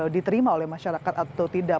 diterima oleh masyarakat atau tidak